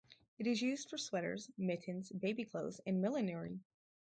It is used for sweaters, mittens, baby clothes and millinery.